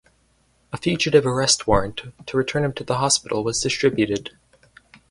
A fugitive arrest warrant to return him to the hospital was distributed.